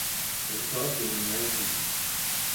El juego tiene nueve pistas.